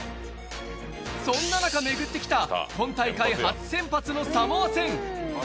そんな中、巡ってきた、今大会初先発のサモア戦。